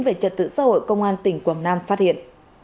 về trật tự xã hội công an tỉnh quảng nam phát hiện